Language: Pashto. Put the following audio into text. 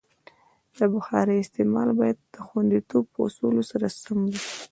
د بخارۍ استعمال باید د خوندیتوب اصولو سره سم وي.